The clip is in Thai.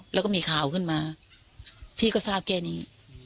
แล้วก็มีข่าวขึ้นมาพี่ก็ทราบแค่นี้